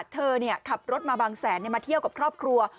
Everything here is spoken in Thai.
เธอขับรถมาบางแสนมาเที่ยวกับครอบครัว